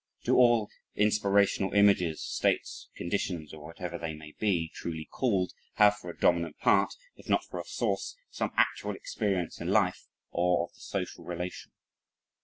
Do all inspirational images, states, conditions, or whatever they may be truly called, have for a dominant part, if not for a source, some actual experience in life or of the social relation?